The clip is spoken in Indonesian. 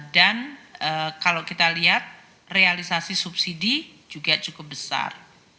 dan kalau kita lihat realisasi subsidi juga cukup besar